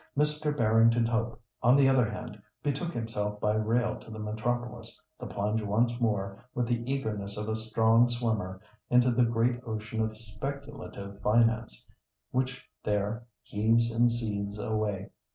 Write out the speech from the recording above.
Mr. Barrington Hope, on the other hand, betook himself by rail to the metropolis, to plunge once more, with the eagerness of a strong swimmer, into the great ocean of speculative finance, which there "heaves and seethes alway."